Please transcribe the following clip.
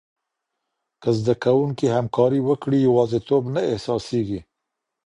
که زده کوونکي همکاري وکړي، یوازیتوب نه احساسېږي.